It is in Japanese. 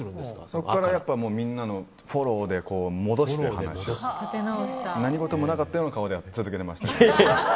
そこからみんなのフォローで戻して何事もなかったような顔で続けてましたけど。